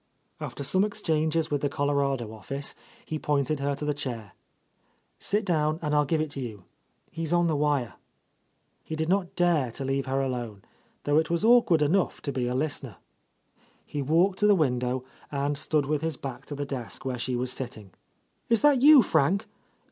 After some exchanges with the Colorado office, he pointed her to the chair. "Sit down and I'll give it to you. He Is on the wire." He did not dare to leave her alone, though It was awkward enough to be a listener. He walked to the window and stood with his back to the desk where she was sitting. "Is that you, Frank?